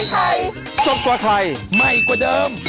โป้งด้วยนะครับ